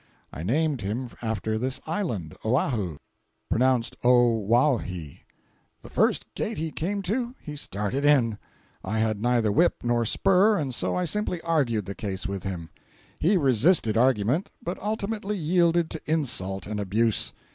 I named him after this island, "Oahu" (pronounced O waw hee). The first gate he came to he started in; I had neither whip nor spur, and so I simply argued the case with him. He resisted argument, but ultimately yielded to insult and abuse.